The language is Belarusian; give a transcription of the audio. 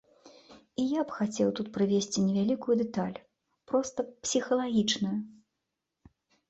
І я б хацеў тут прывесці невялікую дэталь, проста псіхалагічную.